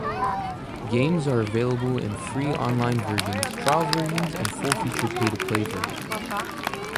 Games are available in free on-line versions, trial versions, and full feature pay-to-play versions.